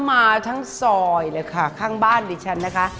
มาทั้งซอยเลยค่ะข้างบ้านดิฉันนะคะ